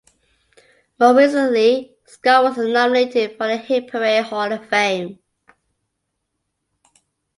More recently Scott was nominated for the Hit Parade Hall of Fame.